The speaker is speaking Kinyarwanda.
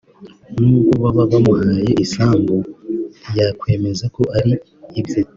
nubwo baba bamuhaye isambu ntiyakwemeza ko ari ibye